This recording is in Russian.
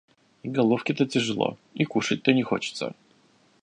И головке-то тяжело, и кушать-то не хочется.